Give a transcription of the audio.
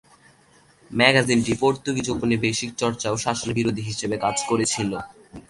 ম্যাগাজিনটি পর্তুগিজ উপনিবেশিক চর্চা ও শাসনের বিরোধী হিসাবে কাজ করেছিল।